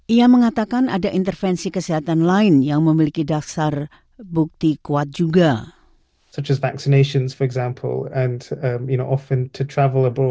ia mengatakan ada intervensi kesehatan lain yang memiliki dasar bukti kuat juga